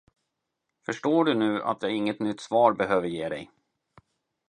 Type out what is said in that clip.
Förstår du nu, att jag intet nytt svar behöver ge dig.